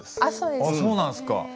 あっそうですか。